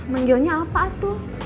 manggilnya apa tuh